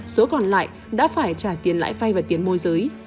số còn lại đã phải trả tiền lãi vay và tiền môi giới